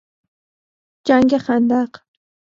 جنگ خندق